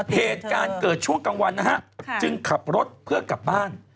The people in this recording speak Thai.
เหตุการณ์เกิดช่วงกลางวันนะฮะจึงขับรถเพื่อกลับบ้าน